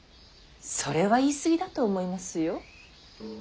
それは言い過ぎだと思いますよ。